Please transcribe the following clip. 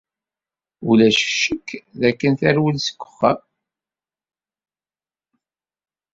Ulac ccekk dakken terwel seg uxxam.